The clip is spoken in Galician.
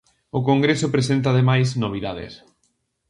O congreso presenta ademais novidades.